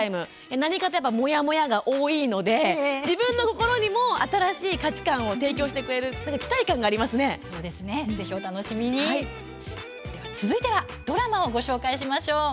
何かともやもやが多いので自分の心にも新しい価値観を提供してくれる期待感が続いてはドラマをご紹介しましょう。